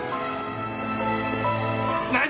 何？